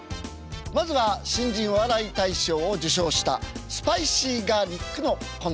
まずは新人お笑い大賞を受賞したスパイシーガーリックのコント。